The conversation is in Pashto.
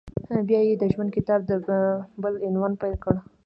بیا یې د ژوند د کتاب بل عنوان پیل کېږي…